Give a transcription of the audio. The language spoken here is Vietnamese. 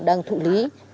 đang thụ lý